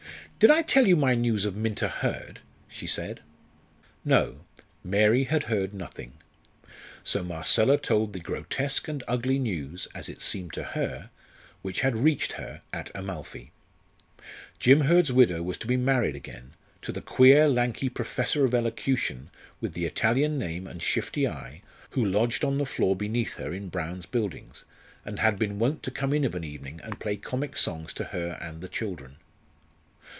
"Did I tell you my news of Minta Hurd?" she said. No; Mary had heard nothing. So Marcella told the grotesque and ugly news, as it seemed to her, which had reached her at Amalfi. Jim Hurd's widow was to be married again, to the queer lanky "professor of elocution," with the Italian name and shifty eye, who lodged on the floor beneath her in Brown's Buildings, and had been wont to come in of an evening and play comic songs to her and the children.